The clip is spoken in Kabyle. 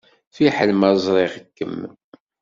Fiḥel ma ẓriɣ-kem.